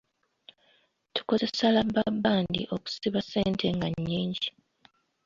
Tukozesa labbabbandi okusiba ssente nga nnyingi.